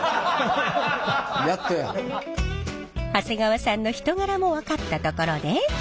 長谷川さんの人柄も分かったところで。